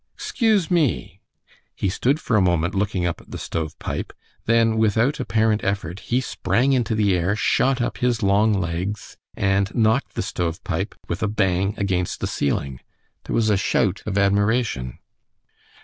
Excuse ME." He stood for a moment looking up at the stovepipe, then without apparent effort he sprang into the air, shot up his long legs, and knocked the stovepipe with a bang against the ceiling. There was a shout of admiration.